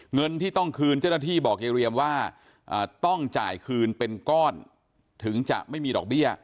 เงินที่ต้องคืนเจ้าหน้าที่บอกยายเรียมว่าต้องจ่ายคืนเป็นก้อนถึงจะไม่มีดอกเบี้ย